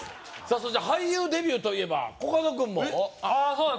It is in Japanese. そして俳優デビューといえばコカド君もそうです